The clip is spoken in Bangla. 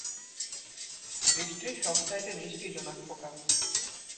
সৃষ্টির সবচাইতে মিষ্টি জোনাকপোকা।